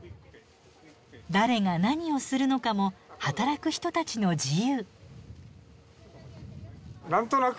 誰が何をするのかも働く人たちの自由。